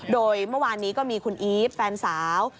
โดยเมื่อวานนี้ก็มีคุณอีฟแฟนสาว